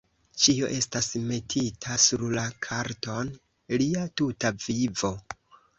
Ĉio estas metita sur la karton: lia tuta vivo.